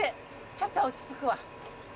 ちょっと落ち着くわ。